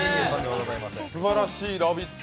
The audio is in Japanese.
すばらしい「ラヴィット！」